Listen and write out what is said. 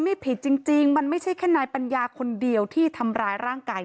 ไม่ผิดจริงมันไม่ใช่แค่นายปัญญาคนเดียวที่ทำร้ายร่างกาย